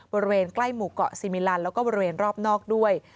บริเวณใกล้หมู่เกาะซีมิลันแล้วก็บริเวณรอบนอกด้วย